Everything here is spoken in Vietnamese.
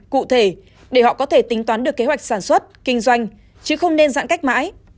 cụ thể để họ có thể tính toán được kế hoạch sản xuất kinh doanh chứ không nên giãn cách mãi